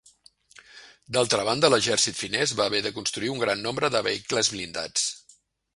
D'altra banda, l'exèrcit finès va haver de construir un gran nombre de vehicles blindats.